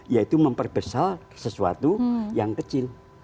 yaitu memperbesar sesuatu yang kecil